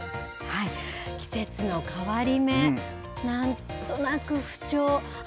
季節の変わり目、なんとなく不調、あ、